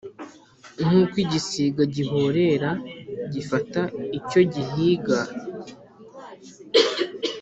nk’uko igisiga gihorera gifata icyo gihiga